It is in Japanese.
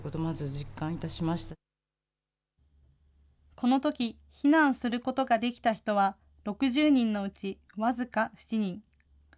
このとき避難することができた人は、６０人のうち僅か７人。